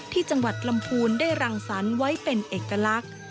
ที่จังหวัดลำพูนได้รังสรรค์ไว้เป็นเอกลักษณ์